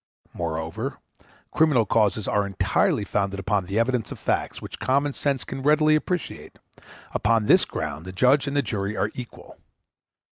Moreover, criminal causes are entirely founded upon the evidence of facts which common sense can readily appreciate; upon this ground the judge and the jury are equal.